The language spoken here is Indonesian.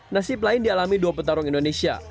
nasib lain dialami dua petarung indonesia